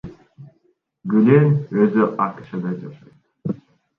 Гүлен өзү АКШда жашайт.